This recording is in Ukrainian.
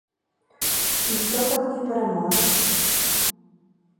І хто то в ній переможе?